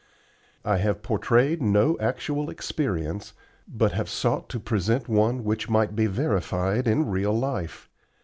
I have portrayed no actual experience, but have sought to present one which might be verified in real life.